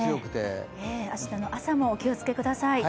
明日の朝もお気をつけください。